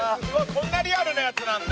こんなリアルなやつなんだ。